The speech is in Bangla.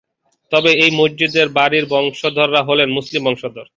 তবে এই জমিদার বাড়ির বংশধররা হলেন মুসলিম বংশধর।